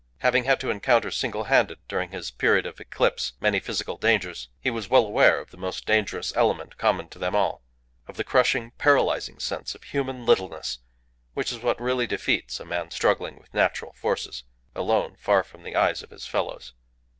Having had to encounter singlehanded during his period of eclipse many physical dangers, he was well aware of the most dangerous element common to them all: of the crushing, paralyzing sense of human littleness, which is what really defeats a man struggling with natural forces, alone, far from the eyes of his fellows.